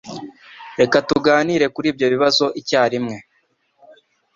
Reka tuganire kuri ibyo bibazo icyarimwe.